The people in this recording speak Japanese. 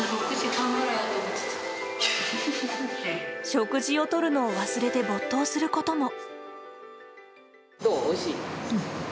食事をとるのを忘れて没頭することも。